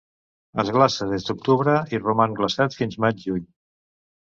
Es glaça des d'octubre i roman glaçat fins maig juny.